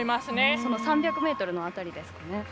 その３００ｍの辺りですかね。